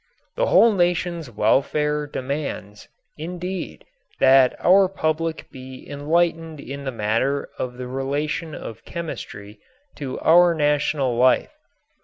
The whole nation's welfare demands, indeed, that our public be enlightened in the matter of the relation of chemistry to our national life.